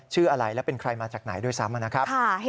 ชื่ออะไรและเป็นใครมาจากไหนด้วยซ้ำนะครับ